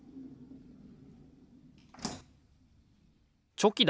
チョキだ。